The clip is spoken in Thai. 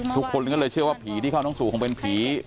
ทุกคนก็เลยเชื่อว่าผีที่เข้าน้องสู่คงเป็นผี